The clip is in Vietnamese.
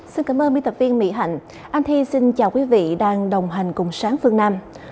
xin cảm ơn biên tập viên mỹ hạnh anh thi xin chào quý vị đang đồng hành cùng sáng phương nam